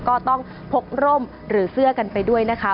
ก็ต้องพกร่มหรือเสื้อกันไปด้วยนะคะ